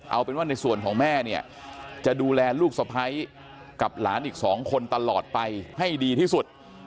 เอาเป็นว่าในส่วนของแม่เนี่ยจะดูแลลูกสะพ้ายกับหลานอีก๒คนตลอดไปให้ดีที่สุด